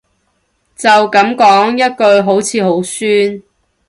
就噉講一句好似好酸